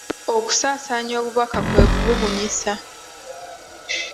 Okusaansaanya obubaka kwe kububunyisa.